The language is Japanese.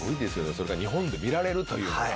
それが日本で見られるというのが。